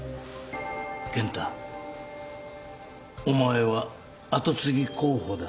健太お前は跡継ぎ候補だ。